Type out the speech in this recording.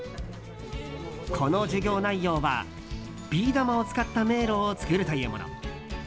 この授業内容は、ビー玉を使った迷路を作るというもの。